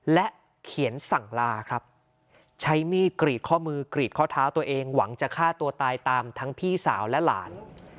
และเขียนสั่งลาครับใช้มีดกรีดข้อมือกรีดข้อเท้าตัวเองหวังจะฆ่าตัวตายตามทั้งพี่สาวและหลาน